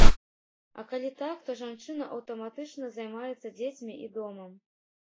А калі так, то жанчына аўтаматычна займаецца дзецьмі і домам.